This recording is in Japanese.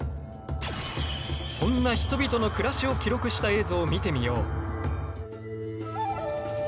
そんな人々の暮らしを記録した映像を見てみよう。